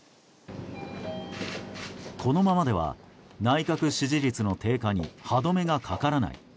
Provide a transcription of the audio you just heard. このままでは内閣支持率の低下に歯止めがかからない。